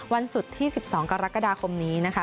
วันศุกร์ที่๑๒กรกฎาคมนี้นะคะ